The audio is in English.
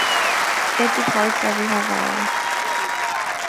It departs every half-hour.